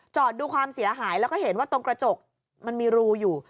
ดูความเสียหายแล้วก็เห็นว่าตรงกระจกมันมีรูอยู่